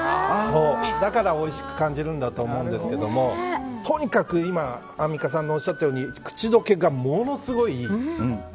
だからおいしく感じるんだと思うんですがとにかく今、アンミカさんがおっしゃったように口溶けがものすごい。